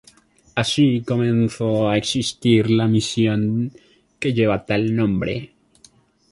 Así comenzó a existir la misión que lleva tal nombre.